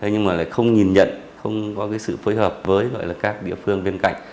nhưng mà lại không nhìn nhận không có cái sự phối hợp với các địa phương bên cạnh